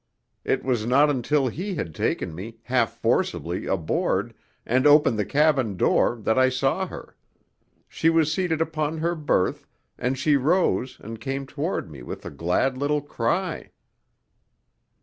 It was not until he had taken me, half forcibly, aboard, and opened the cabin door, that I saw her. She was seated upon her berth, and she rose and came toward me with a glad little cry.